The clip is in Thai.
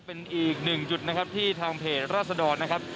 เป็นอีกหนึ่งจุดที่ทางเพจราษฎรนะครับ